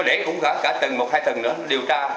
để cũng cả tầng một hai tầng nữa